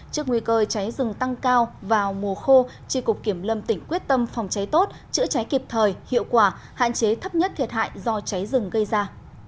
trước nguy cơ cháy rừng tăng cao vào mùa khô tri cục kiểm lâm tỉnh quyết tâm phòng cháy tốt chữa cháy kịp thời hiệu quả hạn chế thấp nhất thiệt hại do cháy rừng gây ra